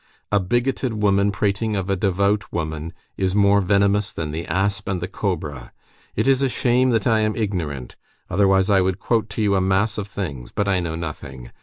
A bigoted woman prating of a devout woman is more venomous than the asp and the cobra. It is a shame that I am ignorant, otherwise I would quote to you a mass of things; but I know nothing.